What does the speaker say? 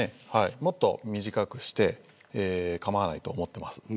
もっと短くしても構わないと思ってます。